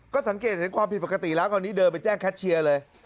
ก็สังเกตเห็นความผิดปกติแล้วคราวนี้เดินไปแจ้งแคชเชียร์เลย